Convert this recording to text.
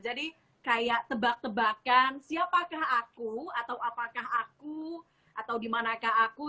jadi kayak tebak tebakan siapakah aku atau apakah aku atau dimanakah aku